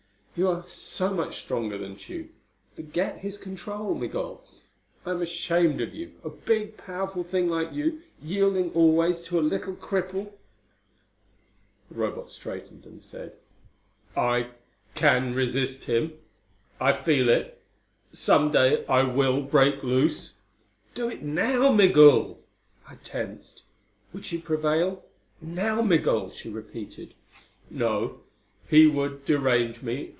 "You are so much stronger than Tugh. Forget his control, Migul. I am ashamed of you a big, powerful thing like you, yielding always to a little cripple." The Robot straightened and said, "I can resist him. I feel it. Some day I will break loose." "Do it now, Migul!" I tensed. Would she prevail? "Now, Migul!" she repeated. "No! He would derange me!